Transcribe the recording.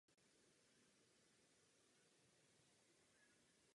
Absolvování akademie bylo podmínkou pro službu v pruském a později německém generálním štábu.